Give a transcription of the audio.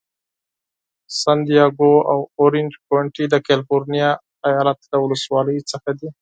سن دیاګو او اورینج کونټي د کالفرنیا ایالت له ولسوالیو څخه دي.